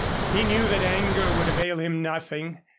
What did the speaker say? He knew that anger would avail him nothing.